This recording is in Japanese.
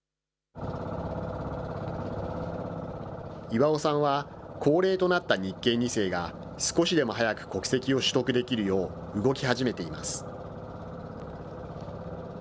イワオさんは、高齢となった日系２世が少しでも早く国籍を取得できるよう、動き始めています。